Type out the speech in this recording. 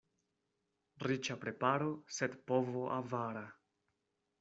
Riĉa preparo, sed povo avara.